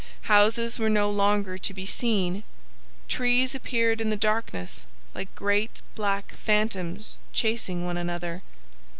Houses were no longer to be seen; trees appeared in the darkness like great black phantoms chasing one another.